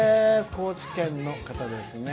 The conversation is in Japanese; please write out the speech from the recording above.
高知県の方ですね。